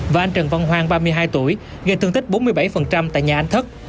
và anh trần văn hoàng ba mươi hai tuổi gây thương tích bốn mươi bảy tại nhà anh thất